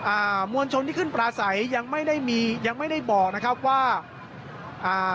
มวลชนที่ขึ้นปลาใสยังไม่ได้มียังไม่ได้บอกนะครับว่าอ่า